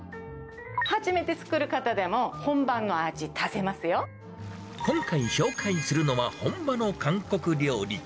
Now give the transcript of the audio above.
初めて作る方でも、本場の味今回紹介するのは、本場の韓国料理。